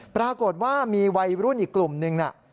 ปรากฏว่ามีวัยรุ่นอีกกลุ่มนึงน่ะ